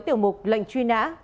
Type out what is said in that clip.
tiểu mục lệnh truy nã